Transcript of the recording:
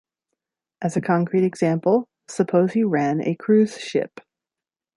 As a concrete example, suppose you ran a cruise ship.